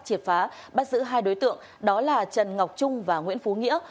triệt phá bắt giữ hai đối tượng đó là trần ngọc trung và nguyễn phú nghĩa